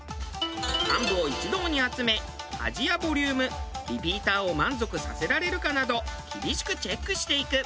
幹部を一堂に集め味やボリュームリピーターを満足させられるかなど厳しくチェックしていく。